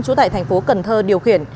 chú tại thành phố cần thơ điều khiển